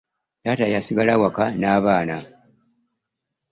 Taata yasigala waka na baana.